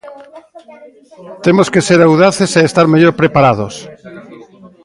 Temos que ser audaces e estar mellor preparados.